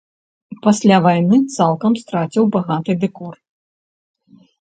Пасля вайны цалкам страціў багаты дэкор.